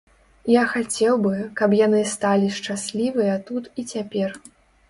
Я хацеў бы, каб яны сталі шчаслівыя тут і цяпер.